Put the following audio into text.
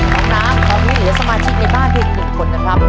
ขอบน้ำขอมีเหลือสมาชิกในบ้านเพียง๑คนนะครับ